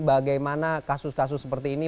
bagaimana kasus kasus seperti ini